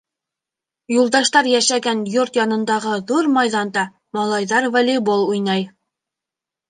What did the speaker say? Юлдаштар йәшәгән йорт янындағы ҙур майҙанда малайҙар волейбол уйнай.